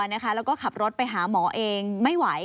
แล้วก็ขับรถไปหาหมอเองไม่ไหว